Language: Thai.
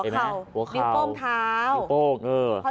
หัวเข่าดิ้งโป้งเท้า